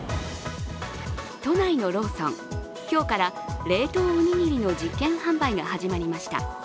都内のローソン、今日から冷凍おにぎりの実験販売が始まりました。